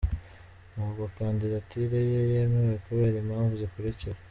Ntabwo Kandidatire ye yemewe kubera impamvu zikurikira: